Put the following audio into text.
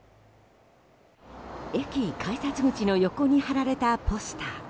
駅改札口の横に貼られたポスター。